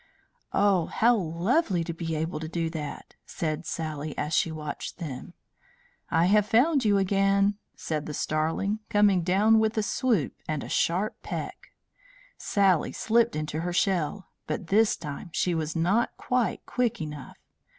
"Oh! how lovely to be able to do that!" said Sally as she watched them. "I have found you again!" said the Starling coming down with a swoop and a sharp peck. Sally slipped into her shell, but this time she was not quite quick enough.